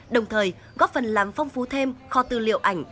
đồng thời góp phần làm phong phú thêm kho tư liệu ảnh